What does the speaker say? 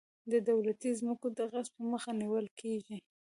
د دولتي ځمکو د غصب مخه نیول کیږي.